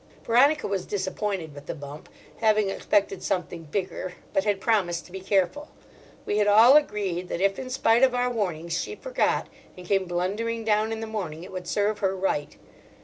Veronica was disappointed with the bump, having expected something bigger, but had promised to be careful. We had all agreed that if in spite of our warnings she forgot, and came blundering down in the morning, it would serve her right.